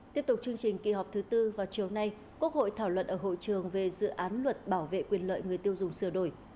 tiếp tục chương trình kỳ họp thứ tư vào chiều nay quốc hội thảo luận ở hội trường về dự án luật bảo vệ quyền lợi người tiêu dùng sửa đổi